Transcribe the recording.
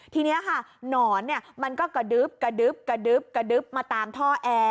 ทีนี้ค่ะหนอนมันก็กระดึ๊บมาตามท่อแอร์